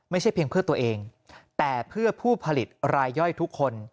ไม่ใช่เพียงเพื่อตัวเองแต่เพื่อผู้ผลิตรายย่อยทุกคน